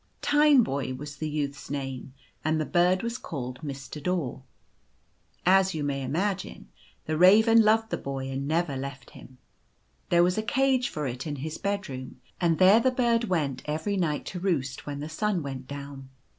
Tineboy was the youth's name ; and the bird was called Mr. Daw. As you may imagine, the raven loved the boy and never left him. There was a cage for it in his bedroom, and there the bird went every night to roost when the sun went down.